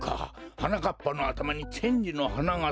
はなかっぱのあたまにチェンジのはながさいたのか！